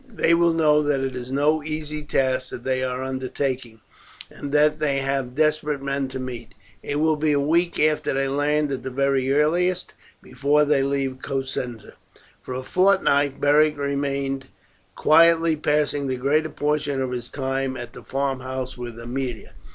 They will know that it is no easy task that they are undertaking, and that they have desperate men to meet. It will be a week after they land at the very earliest before they leave Cosenza." For a fortnight Beric remained quietly passing the greater portion of his time at the farmhouse with Aemilia.